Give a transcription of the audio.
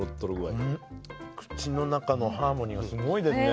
口の中のハーモニーがすごいですね。